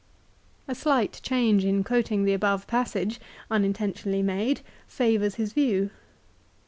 A slight change in quoting the above passage, uninten tionally made, favours his view.